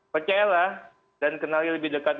percayalah dan kenali lebih dekat